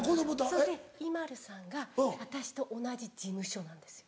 そうでＩＭＡＬＵさんが私と同じ事務所なんですよ。